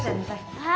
はい。